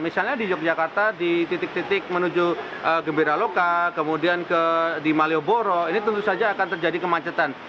misalnya di yogyakarta di titik titik menuju gembira loka kemudian di malioboro ini tentu saja akan terjadi kemacetan